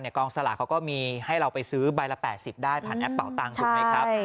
กองสลากเขาก็มีให้เราไปซื้อใบละ๘๐ได้ผ่านแอปเป่าตังค์ถูกไหมครับ